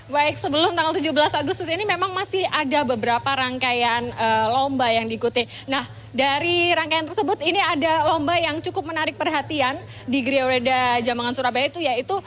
baik sebelum tanggal tujuh belas agustus ini memang masih ada beberapa rangkaian lomba yang diikuti